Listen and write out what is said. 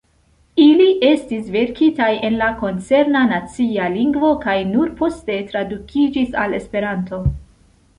Ili estis verkitaj en la koncerna nacia lingvo kaj nur poste tradukiĝis al Esperanto.